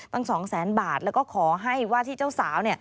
สองแสนบาทแล้วก็ขอให้ว่าที่เจ้าสาว